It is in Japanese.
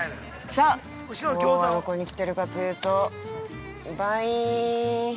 さあ、きょうはどこに来ているかというと、バイーン。